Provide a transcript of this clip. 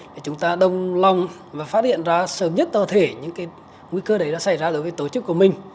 để chúng ta đồng lòng và phát hiện ra sớm nhất tổ thể những nguy cơ đấy đã xảy ra đối với tổ chức của mình